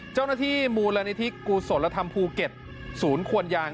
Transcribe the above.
เจ้าหน้าที่มูลนิธิกุศลธรรมภูเก็ตศูนย์ควนยาง